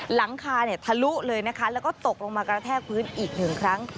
หลังคาเนี่ยทะลุเลยนะคะแล้วก็ตกลงมากระแทกพื้นอีกหนึ่งครั้ง